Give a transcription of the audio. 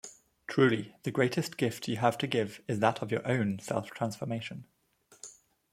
Truly, the greatest gift you have to give is that of your own self-transformation.